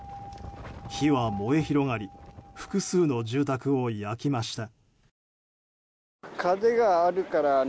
火は燃え広がり複数の住宅を焼きました。